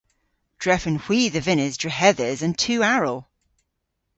Drefen hwi dhe vynnes drehedhes an tu aral.